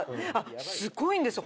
すごいんですよ。